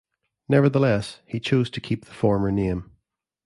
Nevertheless, he chose to keep the former name.